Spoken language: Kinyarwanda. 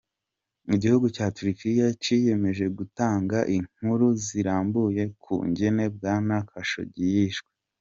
Igihugu ca Turukiya ciyemeje gutanga inkuru zirambuye ku kungene Bwana Khashoggi yishwe.